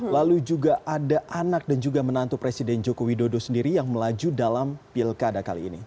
lalu juga ada anak dan juga menantu presiden joko widodo sendiri yang melaju dalam pilkada kali ini